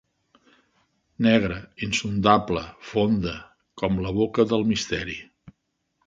...negra, insondable, fonda, com la boca del Misteri.